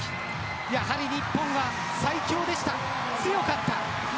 やはり日本は最強でした、強かった。